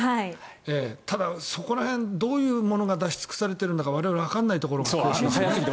ただ、そこら辺どういうものが出し尽くされているのか我々はわからないところがあって。